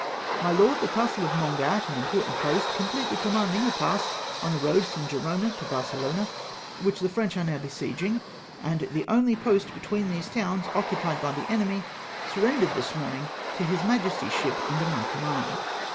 My Lord, — The castle of Mongat, an important post, completely commanding a pass on the road from Gerona to Barcelona, which the French are now besieging, and the only post between these towns occupied by the enemy, surrendered this morning to his Majesty's ship under my command.